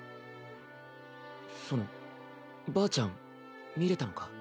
そのばあちゃん見れたのか？